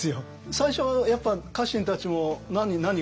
最初はやっぱ家臣たちも「なになに？